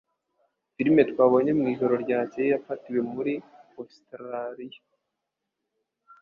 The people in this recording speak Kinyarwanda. Filime twabonye mwijoro ryakeye yafatiwe muri Ositaraliya.